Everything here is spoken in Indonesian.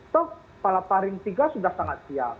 toh pahlaw parim iii sudah sangat siap